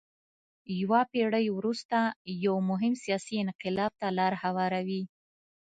یوه پېړۍ وروسته یو مهم سیاسي انقلاب ته لار هواروي.